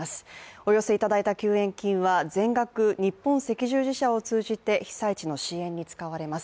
お寄せいただいた救援金は全額、日本赤十字社を通じて被災地の支援に使われます。